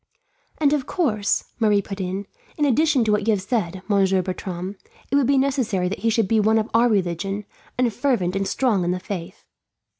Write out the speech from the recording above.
"And of course," Marie put in, "in addition to what you have said, Monsieur Bertram, it would be necessary that he should be one of our religion, and fervent and strong in the faith."